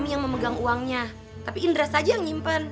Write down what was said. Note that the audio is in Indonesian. kami yang memegang uangnya tapi indra saja yang nyimpan